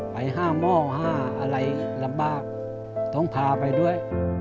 ไป๕หม้อ๕อะไรลำบากต้องพาไปด้วย